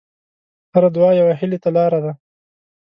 هره دعا یوه هیلې ته لاره ده.